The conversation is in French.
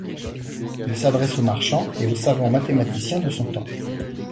Il s'adresse aux marchands et aux savants mathématiciens de son temps.